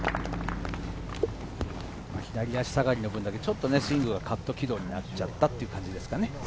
左脚下がりの分だけ、スイングがカット軌道になっちゃったという感じですかね。